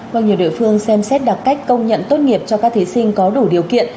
và nhiều địa phương xem xét đặc cách công nhận tốt nghiệp cho các thí sinh có đủ điều kiện